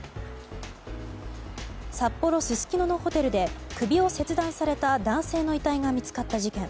札幌すすきののホテルで首を切断された男性の遺体が見つかった事件。